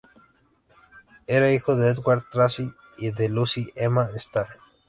Era hijo de Edward Tracy y de Lucy Emma Starr.